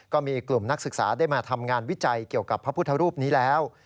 ก็มีกลุ่มนักศึกษาได้มาทำงานวิจัยเกี่ยวกับพระพุทธรูปนี้แล้ว